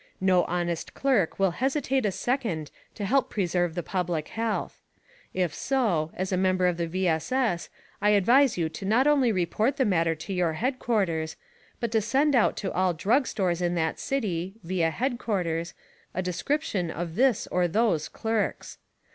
No honest clerk will hesitate a second to help pre serve the public health. If so, as a member of the V. S. S., I advise you to not only report the matter to your headquarters, but to send out to all drug stores in that city (via headquarters) a description of this or those clerks.